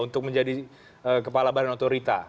untuk menjadi kepala badan otorita